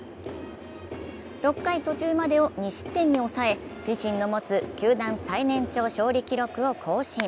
６回途中までを２失点に抑え、自身の持つ球団最年長勝利記録を更新。